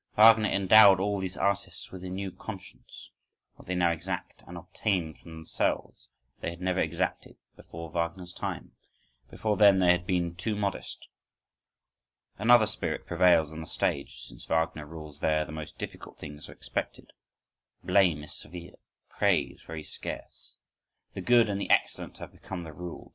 Wagner endowed all these artists with a new conscience: what they now exact and obtain from themselves, they had never exacted before Wagner's time—before then they had been too modest. Another spirit prevails on the stage since Wagner rules there the most difficult things are expected, blame is severe, praise very scarce,—the good and the excellent have become the rule.